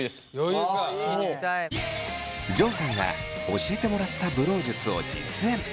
ジョンさんが教えてもらったブロー術を実演。